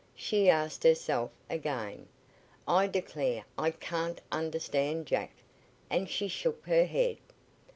she asked herself again. "I declare I can't understand Jack," and she shook her head.